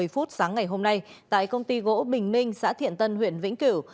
một mươi phút sáng ngày hôm nay tại công ty gỗ bình minh xã thiện tân huyện vĩnh cửu